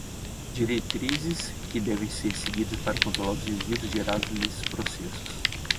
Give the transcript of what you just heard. Diretrizes que devem ser seguidas para controlar os resíduos gerados nesses processos.